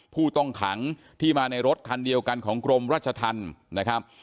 ผู้ต้องขังที่มาในรถคันเดียวกันของกรมราชธรรมนะครับ